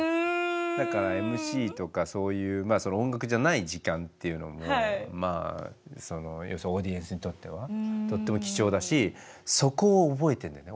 だからＭＣとかそういうその音楽じゃない時間っていうのもまあ要するにオーディエンスにとってはとっても貴重だしそこを覚えてんだよね